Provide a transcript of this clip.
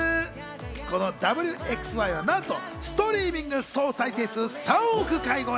この『Ｗ／Ｘ／Ｙ』は、なんとストリーミング総再生数３億回超え。